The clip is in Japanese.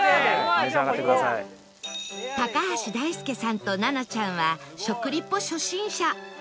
橋大輔さんと菜那ちゃんは食リポ初心者